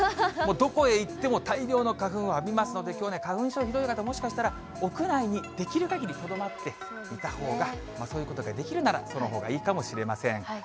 もうどこへ行っても大量の花粉を浴びますので、きょうね、花粉症ひどい方、もしかしたら、屋内にできるかぎりとどまっていたほうが、そういうことができるなら、そのほうがいいかもしれません。